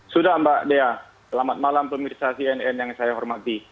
sudah mbak dea selamat malam pemirsa cnn yang saya hormati